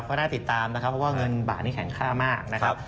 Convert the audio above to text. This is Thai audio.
ก็น่าติดตามนะครับเพราะว่าเงินบาทนี้แข็งค่ามากนะครับ